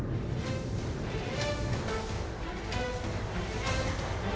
ชูวิทย์ตีแสกหน้า